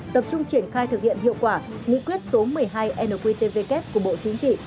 tập trung triển khai thực hiện hiệu quả nghị quyết số một mươi hai nqtvk của bộ chính trị